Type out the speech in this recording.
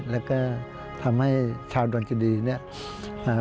แล้วก็ทำให้ชาวดนเจดีเนี่ย